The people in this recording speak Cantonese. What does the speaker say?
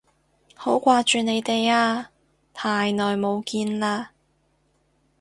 好掛住你哋啊，太耐冇見喇